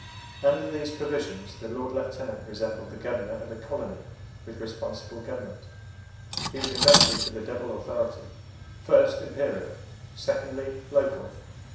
Under these provisions the Lord Lieutenant resembled the Governor of a colony with responsible government. He was invested with a double authority first, Imperial; secondly, Local.